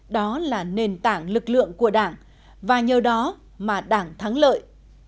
đó là nền tảng lực lượng của đảng và nhờ đó mà đảng thắng lợi